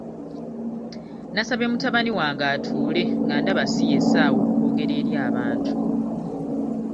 Nasabye mutabani wange atuule nga ndaba si ye ssaawa okwogera eri abantu.